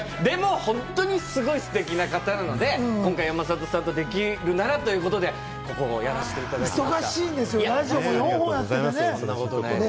でも本当にすごくステキな方なので、今回、山里さんとできるならということで、やらせていただきました。